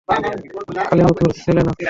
কালিমুথুর ছেলে না?